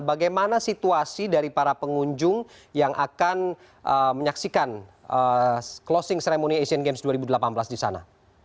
bagaimana situasi dari para pengunjung yang akan menyaksikan closing ceremony asian games dua ribu delapan belas di sana